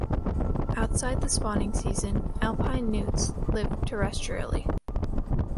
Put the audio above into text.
Outside the spawning season, Alpine newts live terrestrially.